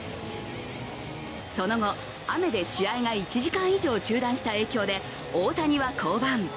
その後、雨で試合が１時間以上中断した影響で大谷は降板。